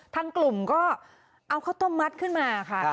ทางกลุ่มก็เอาข้าวต้มมัดขึ้นมาค่ะ